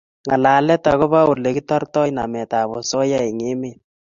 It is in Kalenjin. Ngalalet agobo Ole kitortoi nametab osoya eng emet